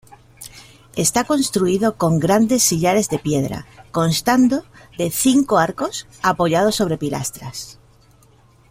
Está construido con grandes sillares de piedra, constando de cinco arcos apoyados sobre pilastras.